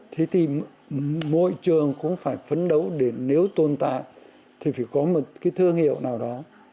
thế thì mỗi trường cũng phải phấn đấu để nếu tồn tại thì phải có một cái thương hiệu nào đó